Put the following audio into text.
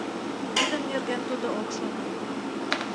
Тидын нерген тудо ок шоно.